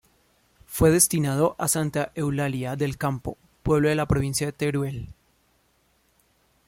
Fue destinado a Santa Eulalia del Campo, pueblo de la provincia de Teruel.